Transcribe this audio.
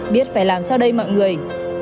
biết phải làm sao đây mọi người